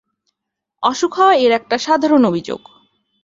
অসুখ হওয়া এর একটা সাধারণ অভিযোগ।